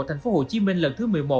thành phố hồ chí minh lần thứ một mươi một